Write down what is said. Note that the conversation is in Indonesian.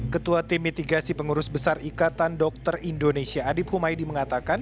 ketua tim mitigasi pengurus besar ikatan dokter indonesia adib humaydi mengatakan